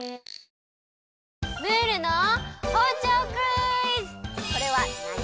ムールのほうちょうクイズ！